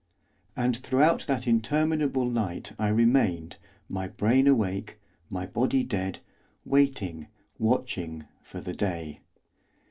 And throughout that interminable night I remained, my brain awake, my body dead, waiting, watching, for the day.